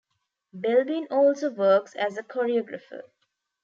Belbin also works as a choreographer.